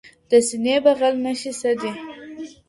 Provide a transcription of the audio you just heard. د سینې بغل نښي څه دي؟